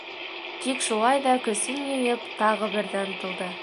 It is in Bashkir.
Тик шулай ҙа көсөн йыйып тағы берҙе ынтылды: